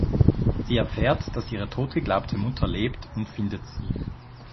Sie erfährt, dass ihre totgeglaubte Mutter lebt und findet sie.